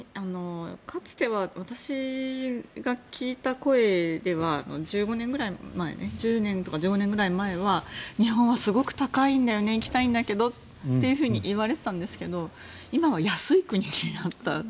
かつては私が聞いた声では１５年くらい前１０年とか１５年くらい前は日本はすごく高いんだよね行きたいんだけどって言われていたんですけど今は安い国になった。